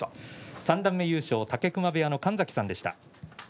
三段目優勝武隈部屋の神崎さんでした。